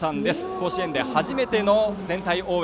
甲子園で初めての全体応援